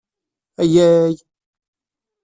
Ayay!